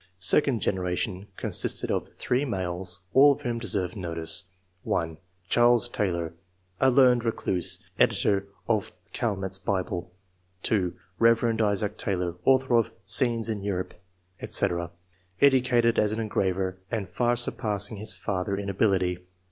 Second generation consisted of 3 males, all of whom deserve notice :— (1) Charles Taylor, a learned recluse, editor of Calmet's Bible ; (2) Kev. Isaac Taylor, author of " Scenes in Europe,*' &c., educated as an engraver, and far surpassing his father in ability.